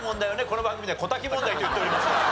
この番組では小瀧問題と言っておりますから。